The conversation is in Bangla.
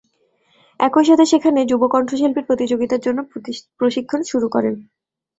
একই সাথে সেখানে যুব কণ্ঠশিল্পী প্রতিযোগিতার জন্য প্রশিক্ষণ শুরু করেন।